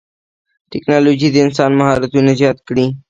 ټکنالوجي د انسان مهارتونه زیات کړي دي.